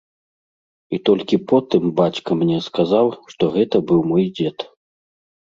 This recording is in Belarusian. І толькі потым бацька мне сказаў, што гэта быў мой дзед.